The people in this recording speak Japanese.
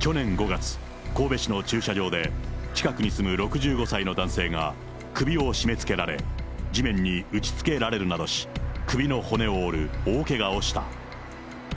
去年５月、神戸市の駐車場で、近くに住む６５歳の男性が首を絞めつけられ、地面に打ちつけられるなどし、首の骨を折る大けがをした。